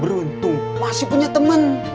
beruntung masih punya temen